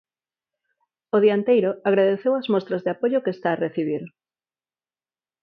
O dianteiro agradeceu as mostras de apoio que está a recibir.